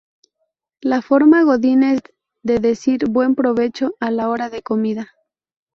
La forma Godínez de decir "Buen Provecho" a la hora de la comida.